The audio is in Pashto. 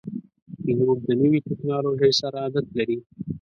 پیلوټ د نوي ټکنالوژۍ سره عادت لري.